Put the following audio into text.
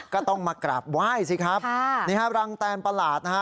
ก็ต้องมากราบไหว้สิครับนี่ฮะรังแตนประหลาดนะฮะ